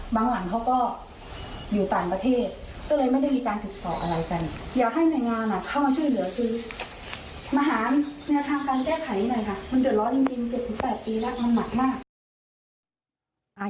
มันเดี๋ยวรอจริง๗๘ปีแล้วมันหมากมาก